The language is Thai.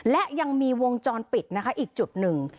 และยังมีวงจรปิดนะคะอีกจุดหนึ่ง